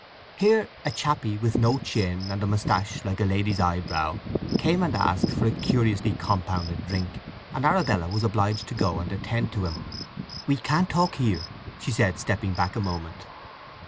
Here a chappie with no chin, and a moustache like a lady's eyebrow, came and asked for a curiously compounded drink, and Arabella was obliged to go and attend to him. "We can't talk here," she said, stepping back a moment.